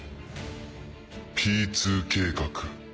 Ｐ２計画。